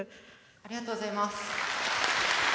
ありがとうございます。